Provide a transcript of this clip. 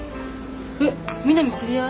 えっ南知り合い？